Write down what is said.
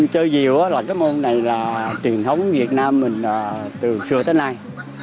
chơi diều là cái môn này là truyền thống việt nam mình từ xưa tới nay